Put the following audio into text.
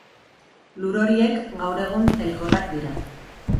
Lur horiek gaur egun elkorrak dira.